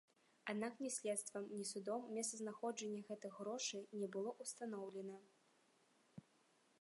Аднак ні следствам, ні судом месцазнаходжанне гэтых грошай не было ўстаноўлена.